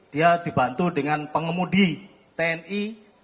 dia dibantu dengan pengemudi tni